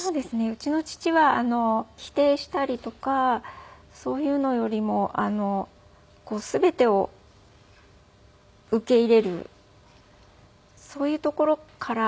うちの父は否定したりとかそういうのよりも全てを受け入れるそういうところから。